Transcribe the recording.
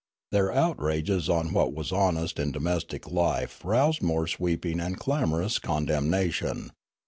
Their outrages on what was honest in domestic life roused more sweeping and clamorous condenmation.